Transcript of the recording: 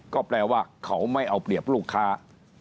ก็แปลว่าเขาไม่เอาเปรียบลูกค้า